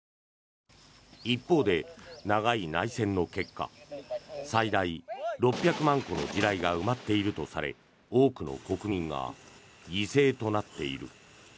一方で、長い内戦の結果最大６００万個の地雷が埋まっているとされ多くの国民が犠牲となっている。